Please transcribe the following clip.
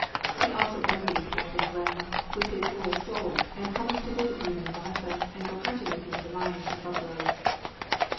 He also envied Captain Glenn with his whole soul and promised to visit him in Mombasa and go hunting with him for lions and buffaloes.